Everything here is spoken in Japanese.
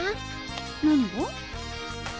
何が？